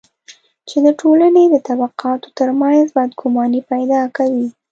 چې د ټولنې د طبقاتو ترمنځ بدګماني پیدا کوي.